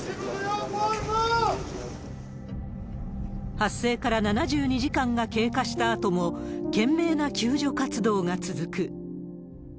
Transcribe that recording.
発生から７２時間が経過したあとも、懸命な救助活動が続く。